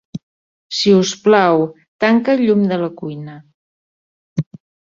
Si us plau, tanca el llum de la cuina.